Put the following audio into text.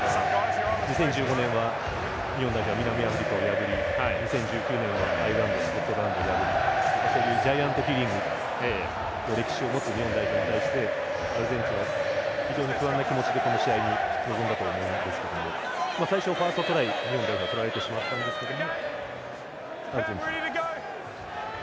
２０１５年は日本代表は南アフリカを破り２０１９年はアイルランドスコットランドを破りそういうジャイアントキリングの歴史を持つ日本代表なのでアルゼンチンは非常に不安な気持ちでこの試合に臨んでると思うんですけど最初のファーストトライは日本代表がとられてしまったんですけど。